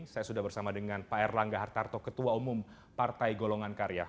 saya sudah bersama dengan pak erlangga hartarto ketua umum partai golongan karya